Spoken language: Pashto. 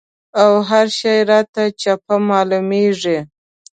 او هر شی راته چپه معلومېږي.